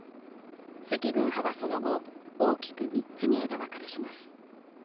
赤軍派はその後、大きく３つに枝分かれします。